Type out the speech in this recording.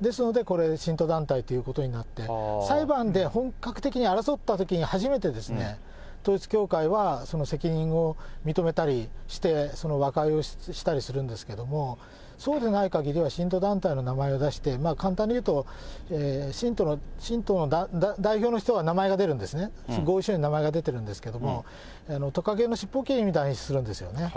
ですのでこれ、信徒団体ということになって、裁判で本格的に争ったときに初めて統一教会はその責任を認めたり、その和解をしたりするんですけれども、そうでないかぎりは信徒団体の名前を出して、簡単にいうと、信徒の代表の人は名前が出るんですね、合意書に名前が出てるんですけど、トカゲのしっぽ切りみたいにするんですよね。